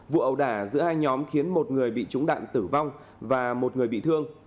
vụ ẩu đả giữa hai nhóm khiến một người bị trúng đạn tử vong và một người bị thương